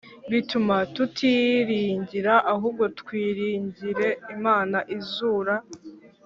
Bituma tutiyiringira ahubwo twiringire Imana izura